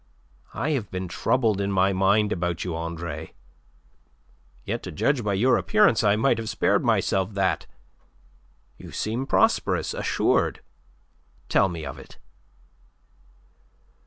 I have been troubled in mind about you, Andre. Yet to judge by your appearance I might have spared myself that. You seem prosperous, assured. Tell me of it."